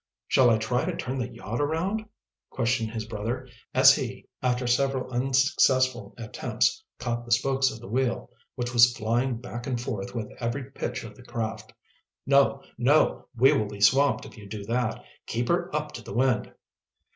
"Shall I try to turn the yacht around?" questioned his brother, as he, after several unsuccessful attempts, caught the spokes of the wheel, which was flying back and forth with every pitch of the craft. "No! no! We will be swamped if you do that. Keep her up to the wind."